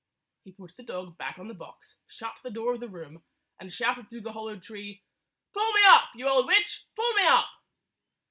He put the dog back on the box, shut the door of the room, and shouted through the hollow tree, "Pull me up, you old witch! Pull me up!"